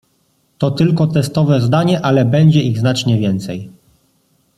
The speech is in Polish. to tylko testowe zdanie ale będzie ich znacznie więcej